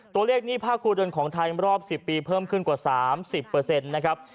ตัวเลขนี้ภาครูเดินของไทยรอบสิบปีเพิ่มขึ้นกว่า๓๐เปอร์เซ็นต์นะครับ